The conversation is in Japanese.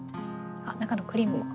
あ中のクリームも。